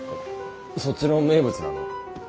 そっちの名物なの？